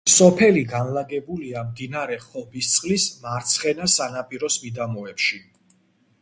სოფელი განლაგებულია მდინარე ხობისწყლის მარცხენა სანაპიროს მიდამოებში.